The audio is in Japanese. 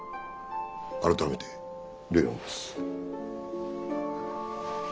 改めて礼を申す。